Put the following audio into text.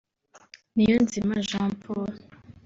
Niyonzima Jean Paul